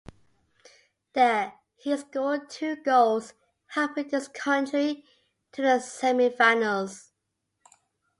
There, he scored two goals, helping his country to the semifinals.